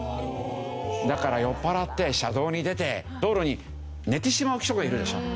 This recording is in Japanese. だから酔っ払って車道に出て道路に寝てしまう人がいるでしょ。